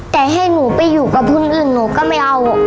แต่ให้หนูไปอยู่กับคนอื่นหนูก็ไม่เอา